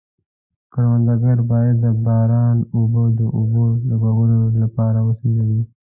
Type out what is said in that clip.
کروندګر باید د باران اوبه د اوبو لګولو لپاره وسنجوي.